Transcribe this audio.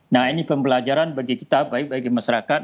nah ini pembelajaran bagi kita baik bagi masyarakat